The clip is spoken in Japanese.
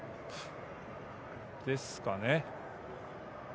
ですかね？